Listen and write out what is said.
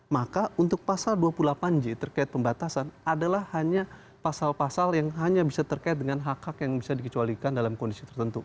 maka untuk pasal dua puluh delapan j terkait pembatasan adalah hanya pasal pasal yang hanya bisa terkait dengan hak hak yang bisa dikecualikan dalam kondisi tertentu